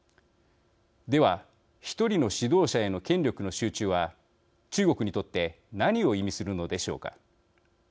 では、１人の指導者への権力の集中は、中国にとって何を意味するのでしょうか。